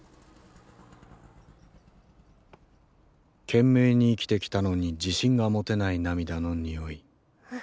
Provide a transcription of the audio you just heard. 懸命に生きてきたのに自信が持てない涙の匂い。